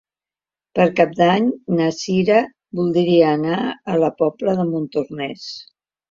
Per Cap d'Any na Sira voldria anar a la Pobla de Montornès.